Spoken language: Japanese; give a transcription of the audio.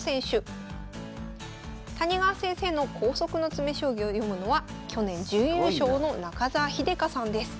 谷川先生の「光速の詰将棋」を読むのは去年準優勝の中澤秀佳さんです。